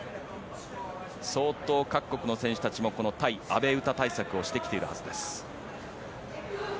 相当、各国の選手もこの対阿部詩対策をしてきているはずです。